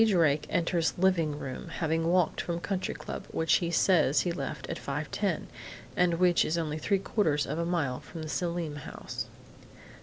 Drake enters living room, having walked from Country Club, which he says he left at 5:10, and which is only three quarters of a mile from the Selim house.